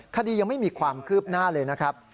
คดียังไม่มีความคืบหน้าเลยนะครับ